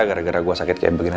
gara gara gue sakit kayak begini